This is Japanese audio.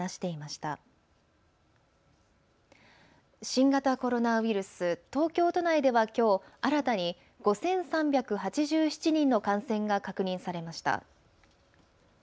新型コロナウイルス、東京都内ではきょう、新たに５３８７人の感染が確認されました。